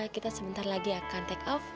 kita sebentar lagi akan take off